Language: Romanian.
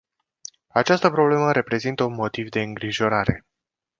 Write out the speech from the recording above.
Această problemă reprezintă un motiv de îngrijorare.